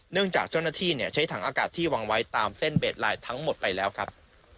จากเจ้าหน้าที่ใช้ถังอากาศที่วางไว้ตามเส้นเบสไลน์ทั้งหมดไปแล้วครับ